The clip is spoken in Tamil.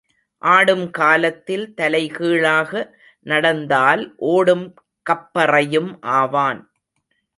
ஆடும்காலத்தில் தலைகீழாக நடந்தால் ஓடும் கப்பறையும் ஆவான்.